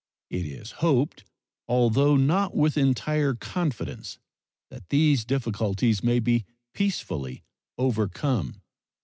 It is hoped, although not with entire confidence, that these difficulties may be peacefully overcome.